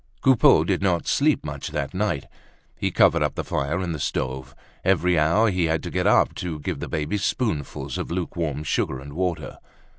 Coupeau did not sleep much that night. He covered up the fire in the stove. Every hour he had to get up to give the baby spoonfuls of lukewarm sugar and water.